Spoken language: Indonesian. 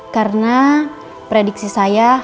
karena prediksi saya